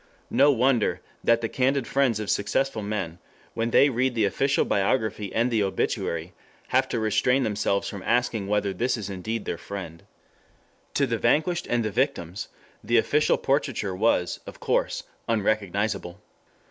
No wonder that the candid friends of successful men, when they read the official biography and the obituary, have to restrain themselves from asking whether this is indeed their friend. 2 To the vanquished and the victims, the official portraiture was, of course, unrecognizable.